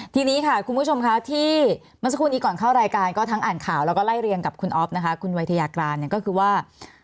ทีนี้ค่ะคุณผู้ชมค่ะที่เมื่อสักครู่นี้ก่อนเข้ารายการก็ทั้งอ่านข่าวแล้วก็ไล่เรียงกับคุณอ๊อฟนะคะคุณวัยทยากรานเนี่ยก็คือว่า